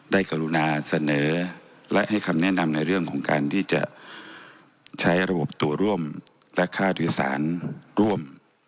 กรุณาเสนอและให้คำแนะนำในเรื่องของการที่จะใช้ระบบตัวร่วมและค่าโดยสารร่วม